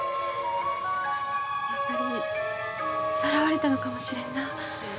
やっぱりさらわれたのかもしれんな。